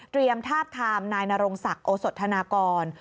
เตรียมทาบทามนายนารงศักดิ์โอสถานากร